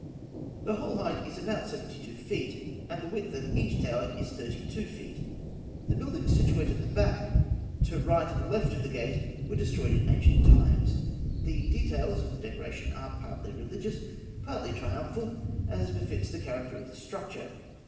The whole height is about seventy two feet, and the width of each tower is thirty two feet. The buildings situate at the back, to right and left of the gate, were destroyed in ancient times. The details of the decoration are partly religious, partly triumphal, as befits the character of the structure.